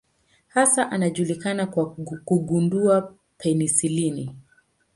Hasa anajulikana kwa kugundua penisilini.